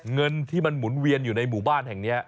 เงินที่มันหมุนเวียนอยู่ในบ้านแห่ง